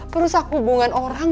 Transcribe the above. perusahaan hubungan orang